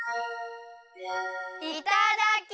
いただきます！